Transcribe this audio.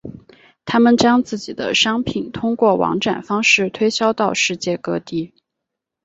他们将自己的商品通过网展方式推销到世界各地。